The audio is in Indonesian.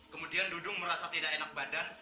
kemudian dudung merasa tidak enak badan